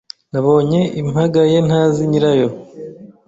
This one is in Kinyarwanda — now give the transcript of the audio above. nabonye impamagayentazi nyirayo